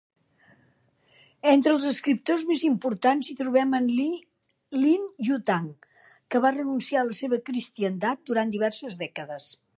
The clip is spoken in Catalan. Entre els escriptors més importants hi trobem en Lin Yutang, que va renunciar a la seva cristiandat durant diverses dècades.